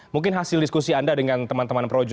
mungkin hasil diskusi anda dengan teman teman projo